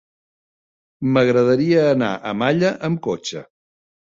M'agradaria anar a Malla amb cotxe.